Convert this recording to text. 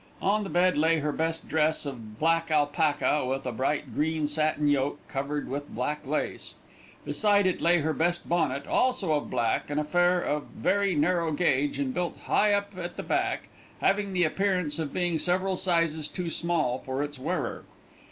On the bed lay her best dress of black alpaca with a bright green satin yoke covered with black lace. Beside it lay her best bonnet, also of black, an affair of a very narrow gauge and built high up at the back, having the appearance of being several sizes too small for its wearer.